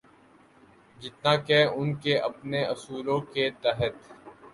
جتنا کہ ان کے اپنے اصولوں کے تحت۔